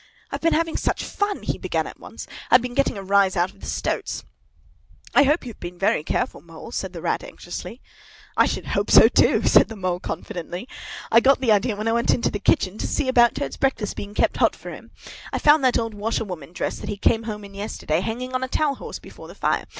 "I've been having such fun!" he began at once; "I've been getting a rise out of the stoats!" "I hope you've been very careful, Mole?" said the Rat anxiously. "I should hope so, too," said the Mole confidently. "I got the idea when I went into the kitchen, to see about Toad's breakfast being kept hot for him. I found that old washerwoman dress that he came home in yesterday, hanging on a towel horse before the fire.